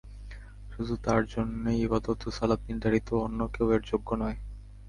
শুধু তাঁর জন্যেই ইবাদত ও সালাত নির্ধারিত, অন্য কেউ এর যোগ্য নয়।